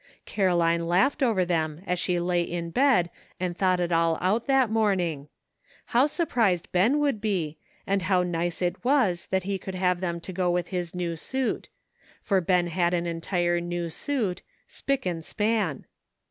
Caroline laughed over them as she lay in bed and thought it all out that morning. How sur prised Ben would be, and how nice it was that he could have them to go with his new suit ; for Ben had an entire new suit, '' spick and span."